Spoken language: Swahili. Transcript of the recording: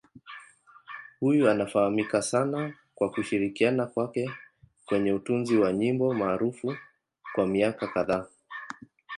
Huyu anafahamika sana kwa kushirikiana kwake kwenye utunzi wa nyimbo maarufu kwa miaka kadhaa.